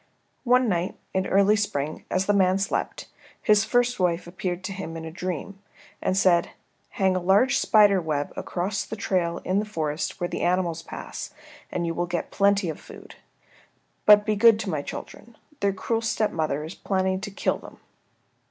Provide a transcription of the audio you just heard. One night in the early spring, as the man slept, his first wife appeared to him in a dream, and said, "Hang a large spider web across the trail in the forest where the animals pass and you will get plenty of food. But be good to my children. Their cruel stepmother is planning to kill them."